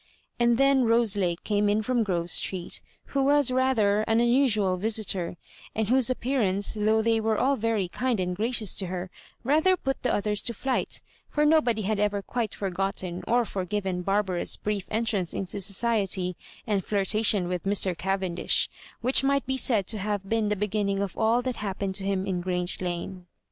And then Rose Lake came in fVom Grove Street, who was rather an unusual visitor, and whose appearance, though they were all very kind and gracious to her, rather put the others to flight ; for n^ody had ever quite forgotten or forgiven Barbara's brief entrance into society and flirtatiou vrith Mr Cavendish, which might be said to have been the beginning of all that happened to hina in Grange Lane.